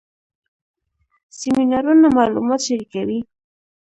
سیمینارونه معلومات شریکوي